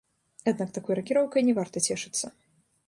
Аднак такой ракіроўкай не варта цешыцца.